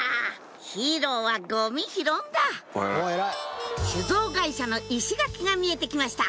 ヒーローはゴミ拾うんだ酒造会社の石垣が見えてきました